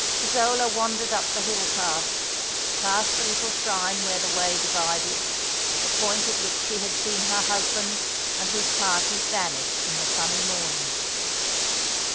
Isola wandered up the hill path, past the little shrine where the way divided, the point at which she had seen her husband and his party vanish in the sunny morning.